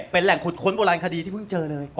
เป็นแหล่งขุดค้นโบราณคดีที่เพิ่งเจอเลย